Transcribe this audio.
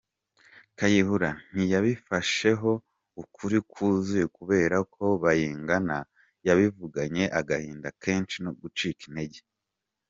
Kayihura ntiyabifasheho ukuri kuzuye kubera ko Bayingana yabivuganye agahinda kenshi no gucika intege.